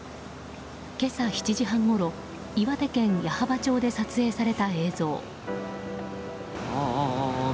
今朝７時半ごろ岩手県矢巾町で撮影された映像。